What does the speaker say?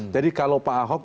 jadi kalau pak ahok